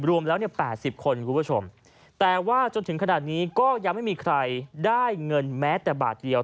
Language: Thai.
รวมแล้วเนี่ย๘๐คนคุณผู้ชมแต่ว่าจนถึงขนาดนี้ก็ยังไม่มีใครได้เงินแม้แต่บาทเดียว